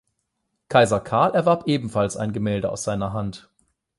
Kaiser Karl erwarb ebenfalls ein Gemälde aus seiner Hand.